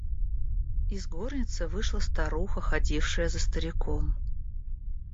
Из горницы вышла старуха, ходившая за стариком.